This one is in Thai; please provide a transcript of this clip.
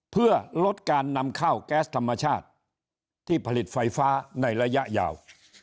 เพื่อลดการนำเข้าแก๊สธรรมชาติที่ผลิตไฟฟ้าในระยะยาว